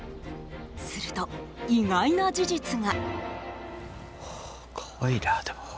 すると意外な事実が。